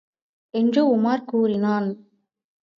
என்று உமார் கூறினான்.